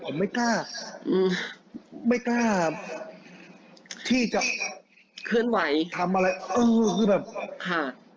ผมไม่กล้าไม่กล้าที่จะเคลื่อนไหวทำอะไรเออคือแบบขาด